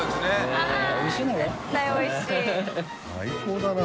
最高だな。